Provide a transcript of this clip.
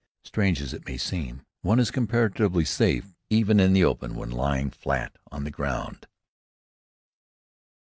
Strange as it may seem, one is comparatively safe even in the open, when lying flat on the ground.